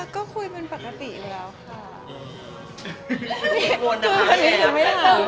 ก็คุยเป็นปกติแล้วค่ะ